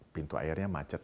pintu airnya macet